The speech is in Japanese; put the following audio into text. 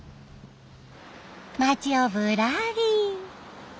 町をぶらり。